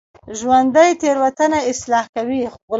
ژوندي تېروتنه اصلاح کوي